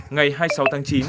ngày hai mươi sáu tháng chín